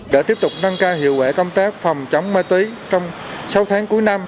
để tiếp tục nâng cao hiệu quả công tác phòng chống ma túy trong sáu tháng cuối năm